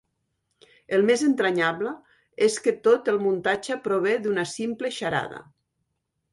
El més entranyable és que tot el muntatge prové d'una simple xarada.